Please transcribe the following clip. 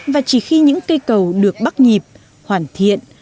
và chỉ khi những cây cầu được bắt nhịp hoàn thiện